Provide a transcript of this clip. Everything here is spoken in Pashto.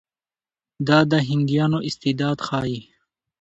دا د هندیانو استعداد ښيي.